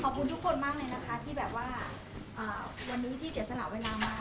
ขอบคุณทุกคนมากเลยนะคะวันนี้ที่เสียสละเวลามา